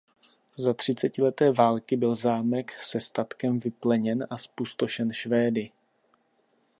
Za třicetileté války byl zámek se statkem vypleněn a zpustošen Švédy.